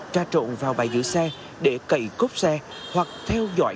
tra trộn vào bãi giữ xe để cậy cốp xe hoặc theo dõi